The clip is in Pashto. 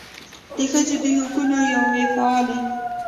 د ښځو د حقونو یوې فعالې